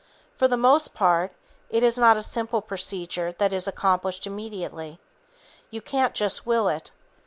For the most part, it is not a simple procedure that is accomplished immediately. You can't just will it.